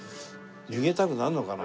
逃げたくなるのかな？